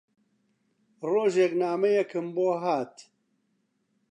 ڕۆژێک نامەیەکم بۆ هات